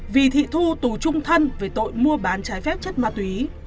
vì thị thu tù chung thân với tội mua bán trái phép chất ma túy